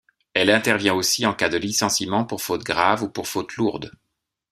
Elle intervient aussi en cas de licenciement pour faute grave ou pour faute lourde.